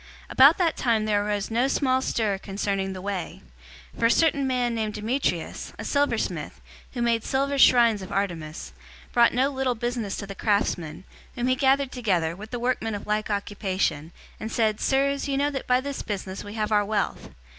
019:023 About that time there arose no small stir concerning the Way. 019:024 For a certain man named Demetrius, a silversmith, who made silver shrines of Artemis, brought no little business to the craftsmen, 019:025 whom he gathered together, with the workmen of like occupation, and said, "Sirs, you know that by this business we have our wealth.